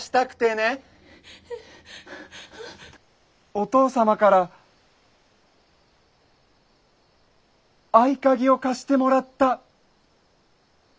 お父様から合鍵を貸してもらった。